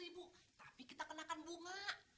tapi kita kenakan bunga